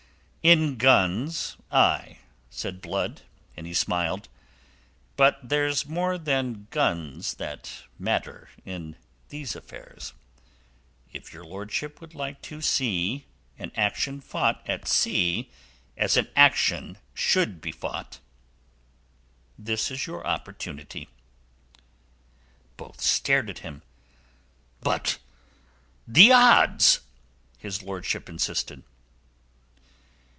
"In guns aye," said Blood, and he smiled. "But there's more than guns that matter in these affairs. If your lordship would like to see an action fought at sea as an action should be fought, this is your opportunity." Both stared at him. "But the odds!" his lordship insisted.